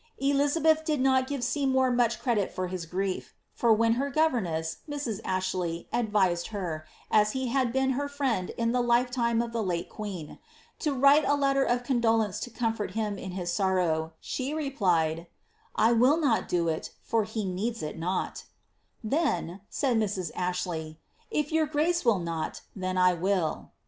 "' Elizal>eth did not give Seymour much credit for his grief; for when her Sivemess, Mrs. Ashley, advised her, as he had been her friend in the etime of the late queen, to write a letter of condolence to comfort him in his sorrow, she replied, ^ I will not do it, for he needs it not" ^*Then," said Mrs. Ashley, if your grace will not, then will I."